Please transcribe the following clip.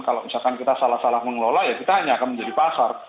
kalau misalkan kita salah salah mengelola ya kita hanya akan menjadi pasar